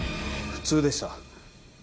普通でした。